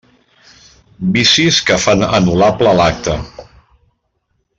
Vicis que fan anul·lable l'acte.